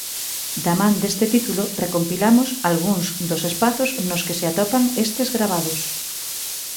Da man deste título recompilamos algúns dos espazos nos que se atopan estes gravados.